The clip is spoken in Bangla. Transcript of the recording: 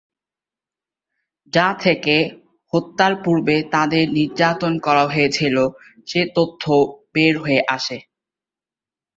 যা থেকে হত্যার পূর্বে তাদের নির্যাতন করা হয়েছিল সে তথ্যও বের হয়ে আসে।